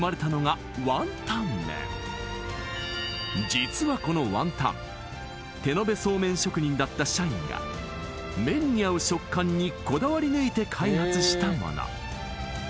実はこのワンタン手延べそうめん職人だった社員が麺に合う食感にこだわり抜いて開発したもの